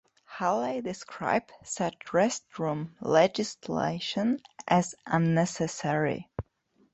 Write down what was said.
Haley described such restroom legislation as unnecessary.